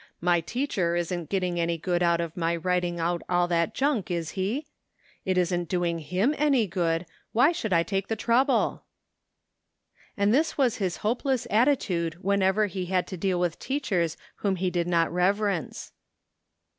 My teacher isn't getting any good out of my writing out all that junk, is he? It isn't doing him any good, why should I take the trouble? " And this was his hopeless attitude whenever he had to deal with teachers whom he did not reverence.